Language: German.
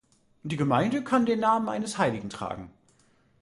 Die Gemeinde kann den Namen eines Heiligen tragen.